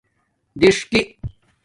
دِݽکی